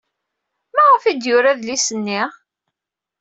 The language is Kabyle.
Maɣef ay d-yura adlis-nni?